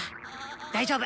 大丈夫！